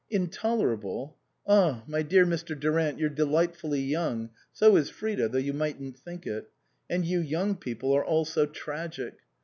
" Intolerable ? Ah, my dear Mr. Durant, you're delightfully young ; so is Frida, though you mightn't think it ; and you young people are all so tragic.